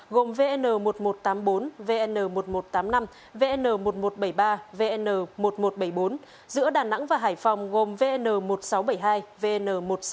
gồm vn một nghìn một trăm tám mươi bốn vn một nghìn một trăm tám mươi năm vn một nghìn một trăm bảy mươi ba vn một nghìn một trăm bảy mươi bốn giữa đà nẵng và hải phòng gồm vn một nghìn sáu trăm bảy mươi hai vn một trăm sáu mươi